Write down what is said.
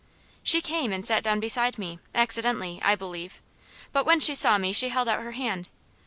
She came and sat down beside me, accidentally, I believe; but when she saw me she held out her hand.